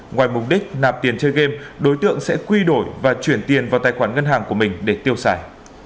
ngoài mục đích nạp tiền chơi game đối tượng sẽ quy đổi và chuyển tiền vào tài khoản ngân hàng của mình để tiêu xài